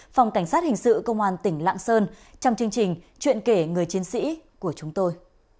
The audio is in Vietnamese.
phòng cảnh sát hình sự công an tỉnh lạng sơn trong chương trình chuyện kể người chiến sĩ của chúng tôi